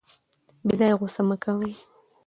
بې ځایه غوسه مه کوئ.